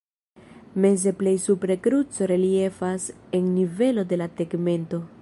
Meze plej supre kruco reliefas en nivelo de la tegmento.